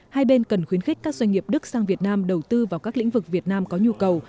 hai bên cần khuyến khích các doanh nghiệp đức sang việt nam đầu tư vào các lĩnh vực việt nam có nhu cầu